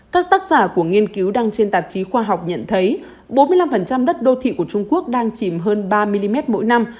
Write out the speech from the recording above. các tác giả của nghiên cứu đăng trên tạp chí khoa học nhận thấy bốn mươi năm đất đô thị của trung quốc đang chìm hơn ba mm mỗi năm